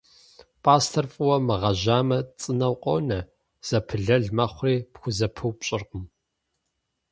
Пӏастэр фӏыуэ мыгъэжьамэ цӏынэу къонэ, зэпылэл мэхъури пхузэпыупщӏыркъым.